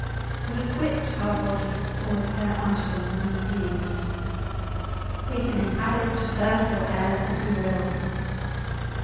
We quit our body, or repair unto them, when we please. We can inhabit, earth, or air, as we will.